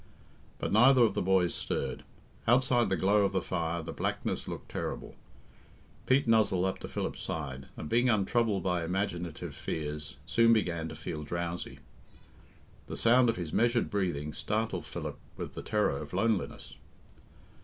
But neither of the boys stirred. Outside the glow of the fire the blackness looked terrible. Pete nuzzled up to Philip's side, and, being untroubled by imaginative fears, soon began to feel drowsy. The sound of his measured breathing startled Philip with the terror of loneliness.